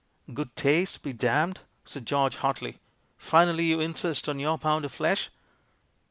" 'Good taste' be damned!" said George hotly. "Finally, you insist on your pound of flesh?"